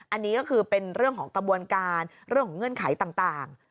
อันนี้ก็คือเป็นเรื่องของกระบวนการเรื่องของเงื่อนไขต่าง